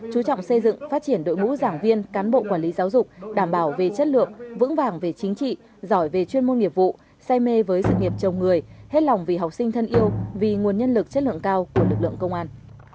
chú trọng xây dựng phát triển đội ngũ giảng viên cán bộ quản lý giáo dục đảm bảo về chất lượng vững vàng về chính trị giỏi về chuyên môn nghiệp vụ say mê với sự nghiệp chồng người hết lòng vì học sinh thân yêu vì nguồn nhân lực chất lượng cao của lực lượng công an